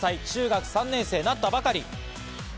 中学３年生になったばかり。